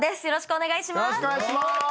よろしくお願いします。